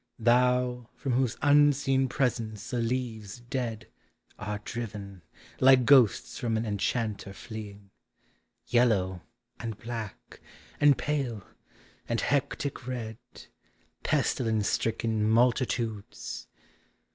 Thou, from whose unseen presence the leaves dead Are driven, like ghosts from an enchanter fleeing, Yellow, and black, and pale, and hectic red, Pestilence stricken multitudes!